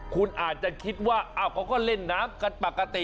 คุณอาจจะคิดว่าเขาก็เล่นน้ำกันปกติ